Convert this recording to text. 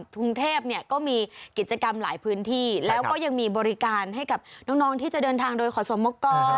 กรุงเทพเนี่ยก็มีกิจกรรมหลายพื้นที่แล้วก็ยังมีบริการให้กับน้องที่จะเดินทางโดยขอสมกร